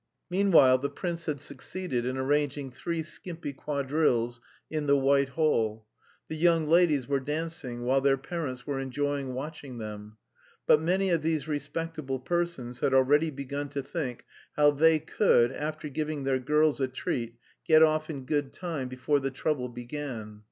Meanwhile the prince had succeeded in arranging three skimpy quadrilles in the White Hall. The young ladies were dancing, while their parents were enjoying watching them. But many of these respectable persons had already begun to think how they could, after giving their girls a treat, get off in good time before "the trouble began."